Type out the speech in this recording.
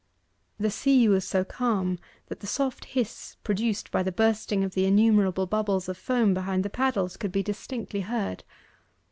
The sea was so calm, that the soft hiss produced by the bursting of the innumerable bubbles of foam behind the paddles could be distinctly heard.